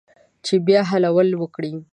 چې بیا حلول وکړي